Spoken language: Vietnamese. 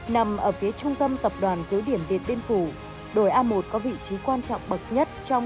nằm ở phía trung tâm tập đoàn cứu điểm điện biên phủ đồi a một có vị trí quan trọng bậc nhất trong